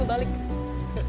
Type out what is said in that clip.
balik jam empat